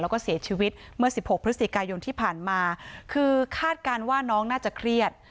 แล้วก็เสียชีวิตเมื่อสิบหกพฤศจิกายนที่ผ่านมาคือคาดการณ์ว่าน้องน่าจะเครียด